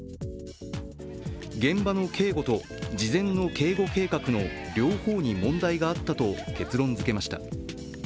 現場の警護と事前の警護計画の両方に問題があったと結論づけました。